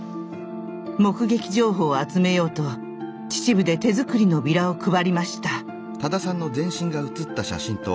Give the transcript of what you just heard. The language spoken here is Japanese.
目撃情報を集めようと秩父で手作りのビラを配りました。